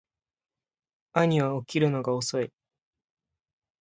兄は起きるのが遅い